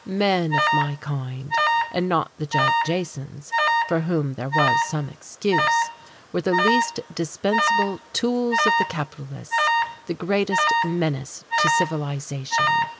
Men of my kind, and not the Judd Jasons (for whom there was some excuse) were the least dispensable tools of the capitalists, the greatest menace to civilization.